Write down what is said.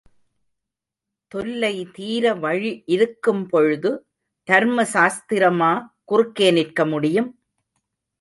தொல்லை தீர வழி இருக்கும் பொழுது, தர்ம சாஸ்திரமா குறுக்கே நிற்க முடியும்?